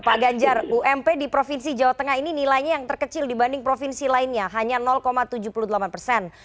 pak ganjar ump di provinsi jawa tengah ini nilainya yang terkecil dibanding provinsi lainnya hanya tujuh puluh delapan persen